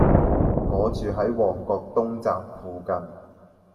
我住喺旺角東站附近